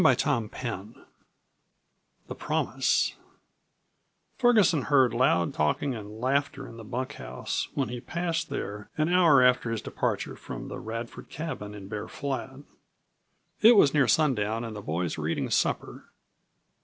CHAPTER XXI THE PROMISE Ferguson heard loud talking and laughter in the bunkhouse when he passed there an hour after his departure from the Radford cabin in Bear Flat. It was near sundown and the boys were eating supper.